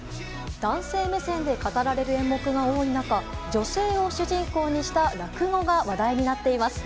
男性目線で語られる演目が多い中女性を主人公にした落語が話題になっています。